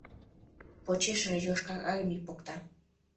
Почешыже Йошкар Армий покта.